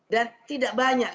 dan tidak banyak